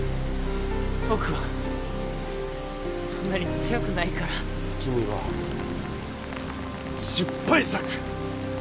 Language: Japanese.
僕はそんなに強くないから君は失敗作！